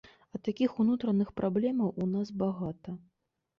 А такіх унутраных праблемаў у нас багата.